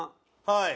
はい。